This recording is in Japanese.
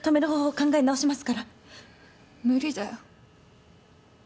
無理だよ。